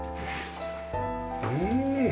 うん！